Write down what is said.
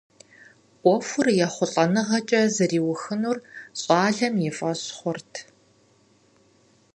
Ӏуэхур ехъулӀэныгъэкӀэ зэриухынур щӀалэм и фӀэщ хъурт.